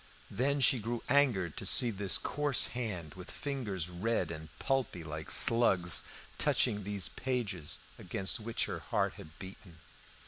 Then she grew angered to see this coarse hand, with fingers red and pulpy like slugs, touching these pages against which her heart had beaten.